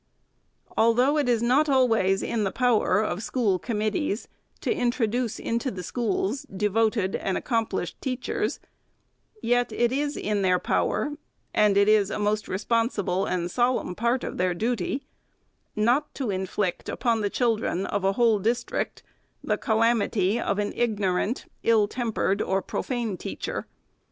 Although it is not always in the power of school com mittees to introduce into the schools devoted and accom plished teachers ; yet it is in their power, and it is a most responsible and solemn part of their duty, not to inflict upon the children of a whole district the calamity of an ignorant, ill tempered, or profane teacher.